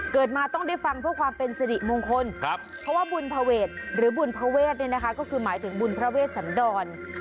เกิดมาต้องได้ฟังเพื่อความเป็นสิริมงคลเพราะว่าบุญภเวทหรือบุญพระเวทเนี่ยนะคะก็คือหมายถึงบุญพระเวชสันดร